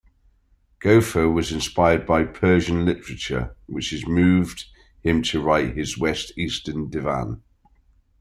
Goethe was inspired by Persian literature, which moved him to write his "West-Eastern Divan".